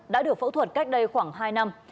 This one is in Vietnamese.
đã được phẫu thuật cách đây khoảng hai năm